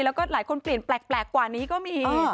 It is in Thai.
แล้วก็หลายคนเปลี่ยนแปลกกว่านี้ก็มี